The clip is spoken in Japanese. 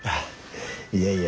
いやいや。